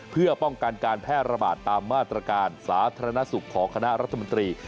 เพื่อป้องกันการแพร่ระบาดตามมาตรการสาธารณสุขของคณะรัฐมนตรี